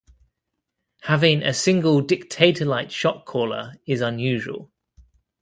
Having a single dictator-like shot caller is unusual.